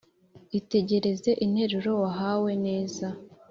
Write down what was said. Itegereze interuro wahawe neza